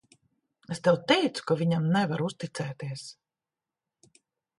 Es tev teicu, ka viņam nevar uzticēties.